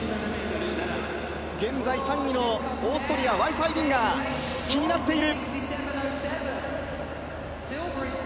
現在３位のオーストリア、ワイスハイディンガー、気になっている。